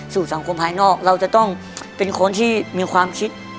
สู่สังคมภายนอกเราจะต้องเป็นคนที่มีความคิด